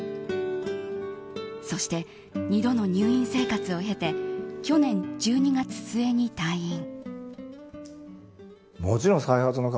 そして２度の入院生活を経て去年１２月末に退院。